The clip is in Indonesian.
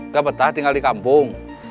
dia betah tinggal di kampung